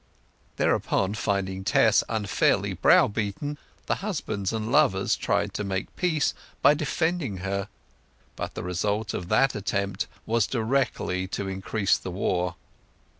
Thereupon, finding Tess unfairly browbeaten, the husbands and lovers tried to make peace by defending her; but the result of that attempt was directly to increase the war.